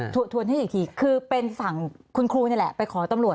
ทวนให้อีกทีคือเป็นฝั่งคุณครูนี่แหละไปขอตำรวจ